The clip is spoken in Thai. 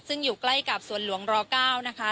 ซึ่งอยู่ใกล้กับสวนหลวงร๙นะคะ